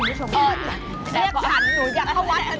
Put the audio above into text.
ครับก็อย่าลืมครับร้านอาหารลูนแซกอาหารตามสั่งนะครับ